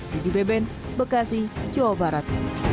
dedy beben bekasi jawa barat